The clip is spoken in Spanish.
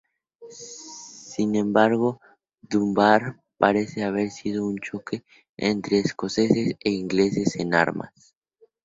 Sin embargo, Dunbar parece haber sido un choque entre escoceses e ingleses en armas.